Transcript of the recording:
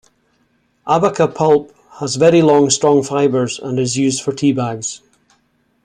Abaca pulp has very long, strong fibers, and is used for teabags.